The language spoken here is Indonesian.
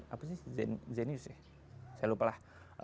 apa sih zenius ya saya lupa lah